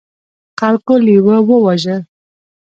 خلکو لیوه وواژه.